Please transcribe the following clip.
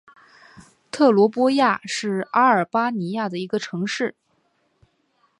特罗波亚是阿尔巴尼亚的一个城市。